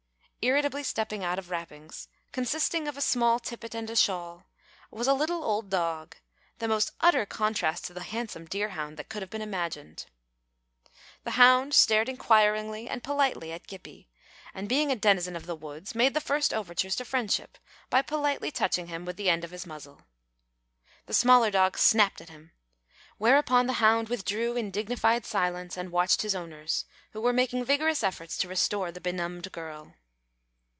Irritably stepping out of wrappings, consisting of a small tippet and a shawl, was a little old dog, the most utter contrast to the handsome deerhound that could have been imagined. The hound stared inquiringly and politely at Gippie, and, being a denizen of the woods, made the first overtures to friendship by politely touching him with the end of his muzzle. The smaller dog snapped at him, whereupon the hound withdrew in dignified silence, and watched his owners, who were making vigorous efforts to restore the benumbed girl.